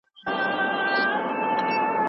ښکلي څښتن،